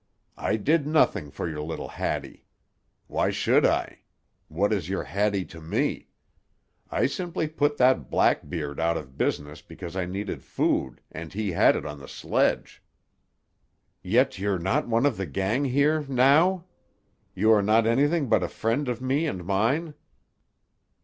"I did nothing for your little Hattie. Why should I? What is your Hattie to me? I simply put that black beard out of business because I needed food and he had it on the sledge." "Yet you're not one of the gang here—now? You are no' anything but a friend of me and mine?"